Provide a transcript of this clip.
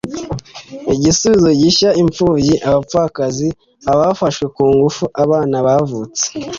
igisubizo gishya Impfubyi abapfakazi abafashwe ku ngufu abana bavutse